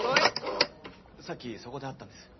あぁさっきそこで会ったんです。